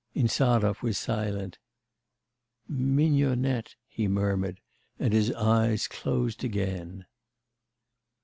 Insarov was silent. 'Mignonette,' he murmured, and his eyes closed again.